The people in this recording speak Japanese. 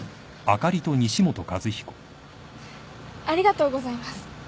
ありがとうございます。